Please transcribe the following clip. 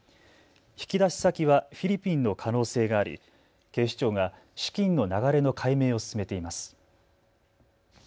引き出し先はフィリピンの可能性があり警視庁が資金の流れの解明を進めています。